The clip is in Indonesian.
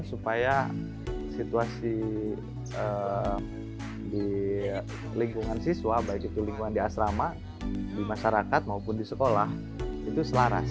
supaya situasi di lingkungan siswa baik itu lingkungan di asrama di masyarakat maupun di sekolah itu selaras